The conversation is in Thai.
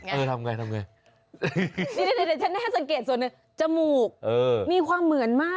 นี่ชั้นให้สังเกตส่วนนี้จมูกมีความเหมือนมาก